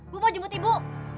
gue mau jemut ibu